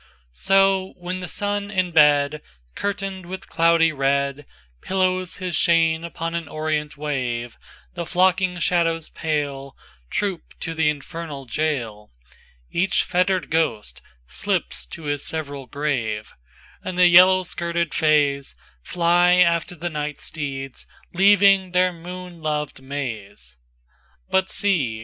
XXVISo, when the Sun in bed, Curtained with cloudy red, Pillows his chin upon an orient wave, The flocking shadows paleTroop to the infernal jail, Each fettered ghost slips to his several grave, And the yellow skirted FaysFly after the night steeds, leaving their moon loved maze. XXVIIBut see!